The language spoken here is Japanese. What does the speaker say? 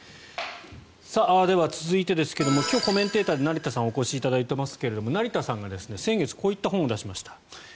では、続いてですが今日、コメンテーターに成田さんがお越しいただいていますが成田さんが先月、こういった本を出しました。